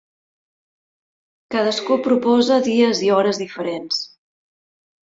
Cadascú proposa dies i hores diferents.